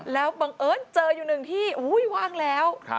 แล้วบังเอิญเจออยู่หนึ่งที่ว่างแล้ว